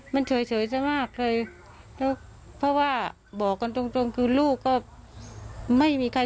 มันเฉยซะมากเลยแล้วเพราะว่าบอกกันตรงตรงคือลูกก็ไม่มีใคร